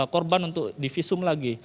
korban untuk di visum lagi